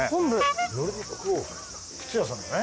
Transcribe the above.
靴屋さんだね？